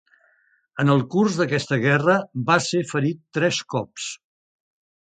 En el curs d'aquesta guerra va ser ferit tres cops.